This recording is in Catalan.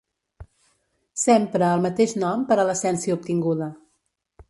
S'empra el mateix nom per a l'essència obtinguda.